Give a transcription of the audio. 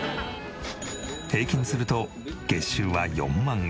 平均すると月収は４万円。